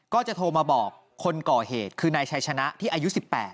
ก็จะโทรมาบอกคนก่อเหตุคือนายชัยชนะที่อายุ๑๘